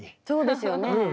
そうですよね。